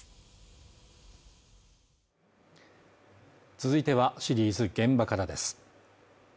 続いてはシリーズ「現場から」です